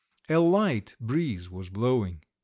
A light breeze was blowing.